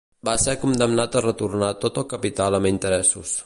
Va ser condemnat a retornar tot el capital amb interessos.